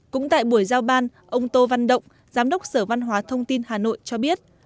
cũng tại buổi giao ban ông tô văn động giám đốc sở văn hóa thông tin hà nội cho biết